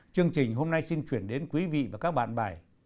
chương trình hôm nay xin chuyển đến quý vị và các bạn bài